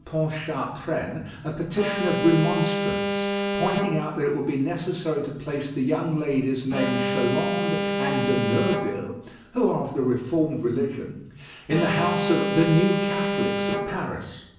Pontchartrain a petition of remonstrance, pointing out that it will be necessary to place the young ladies named Chalandes and de Neuville, who are of the reformed religion, in the House of the 'New Catholics' at Paris."